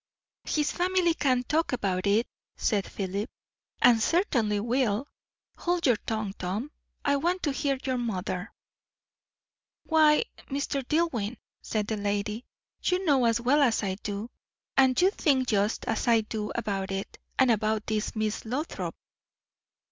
"His family can talk about it," said Philip, "and certainly will. Hold your tongue, Tom. I want to hear your mother." "Why, Mr. Dillwyn," said the lady, "you know as well as I do; and you think just as I do about it, and about this Miss Lothrop."